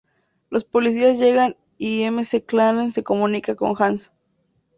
Los policías llegan y McClane se comunica con Hans.